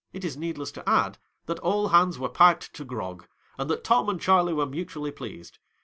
It is needless to add that all hand » were piped to grog, and that Tom and Old Charley were mutually pleased.